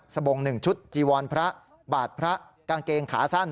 บง๑ชุดจีวรพระบาทพระกางเกงขาสั้น